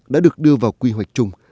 đã được đưa vào quy hoạch chung